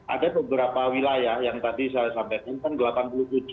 ada beberapa wilayah yang tadi saya sampaikan kan